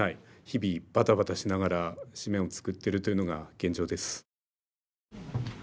日々バタバタしながら紙面を作ってるというのが現状です。